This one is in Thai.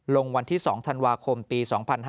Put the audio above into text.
ลงวันที่๒ธันวาคมปี๒๕๕๙